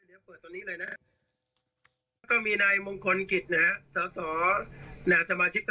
อันนี้มีอะไรยืนยันไหมคะ